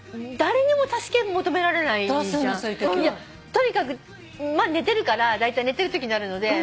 とにかく寝てるからだいたい寝てるときなるので。